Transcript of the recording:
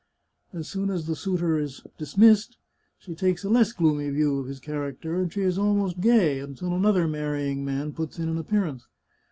As soon as the suitor is dismissed, she takes a less gloomy view of his character, and she is almost gay until another marrying man puts in an appearance.